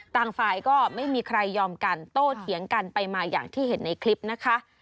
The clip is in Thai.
ต่างฝ่ายก็ไม่มีใครยอมกันโต้เถียงกันไปมาอย่างที่เห็นในคลิปนะคะ